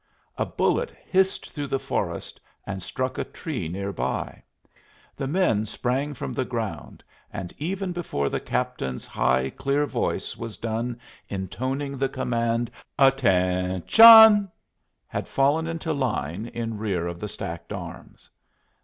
A bullet hissed through the forest and struck a tree near by. The men sprang from the ground and even before the captain's high, clear voice was done intoning the command "At ten tion!" had fallen into line in rear of the stacked arms.